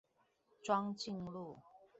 莊敬路